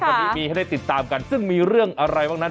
วันนี้มีให้ได้ติดตามกันซึ่งมีเรื่องอะไรบ้างนั้น